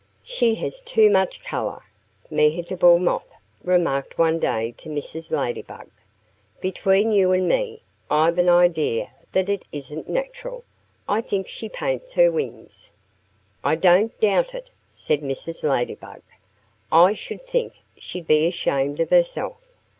"She has too much color," Mehitable Moth remarked one day to Mrs. Ladybug. "Between you and me, I've an idea that it isn't natural. I think she paints her wings!" "I don't doubt it," said Mrs. Ladybug. "I should think she'd be ashamed of herself."